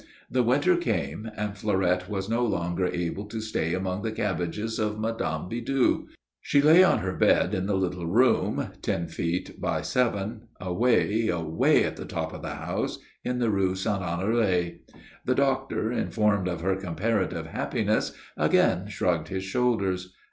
The winter came, and Fleurette was no longer able to stay among the cabbages of Mme. Bidoux. She lay on her bed in the little room, ten feet by seven, away, away at the top of the house in the Rue Saint Honoré. The doctor, informed of her comparative happiness, again shrugged his shoulders.